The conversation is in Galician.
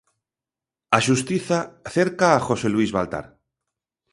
A xustiza cerca a José Luis Baltar.